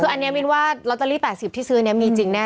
คืออันนี้มินว่าลอตเตอรี่๘๐ที่ซื้อนี้มีจริงแน่